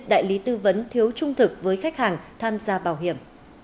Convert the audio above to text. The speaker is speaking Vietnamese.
đại lý tư vấn thiếu trung thực với khách hàng tham gia bảo hiểm